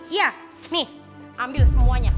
iya nih ambil semuanya